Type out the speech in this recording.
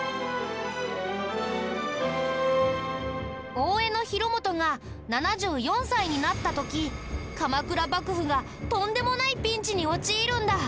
大江広元が７４歳になった時鎌倉幕府がとんでもないピンチに陥るんだ。